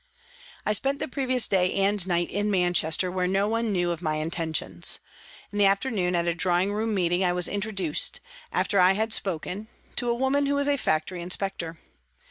I spent the previous day and night in Manchester where no one knew of my intentions. In the after noon, at a drawing room meeting, I was introduced, after I had spoken, to a woman who was a factory inspector.